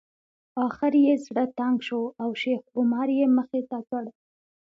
اخر یې زړه تنګ شو او شیخ عمر یې مخې ته کړ.